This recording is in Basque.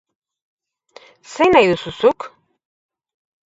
Zein nahi duzu zuk?